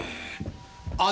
あ！